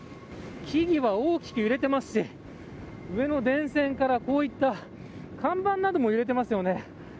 木々は大きく揺れていますし上の電線からこういった看板なども揺れていますよね。